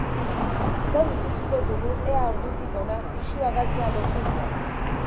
Gaur ikusiko dugu ea ordutik hona pisua galtzea lortu duen.